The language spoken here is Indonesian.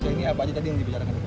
ini apa aja tadi yang dibicarakan